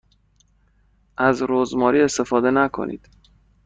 از رزماری استفاده نکنید.